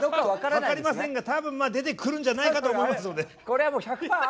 分かりませんが多分出てくるんじゃないかと思いますので。